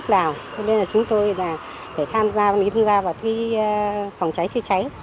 cho nên là chúng tôi là phải tham gia vào thuy phòng cháy chữa cháy